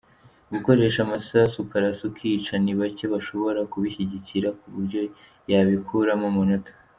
Gukoresha amasasu ukarasa ukica, ni bake bashobora kubishyigikira ku buryo yabikuramo amanota.